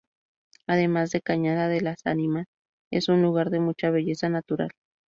Además, la Cañada de las Ánimas es un lugar de mucha belleza natural.